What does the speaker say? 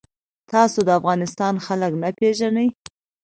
تاسو د افغانستان خلک نه پیژنئ.